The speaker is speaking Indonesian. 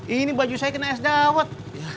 ini baju saya kena es dawet